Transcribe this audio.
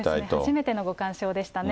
初めてのご鑑賞でしたね。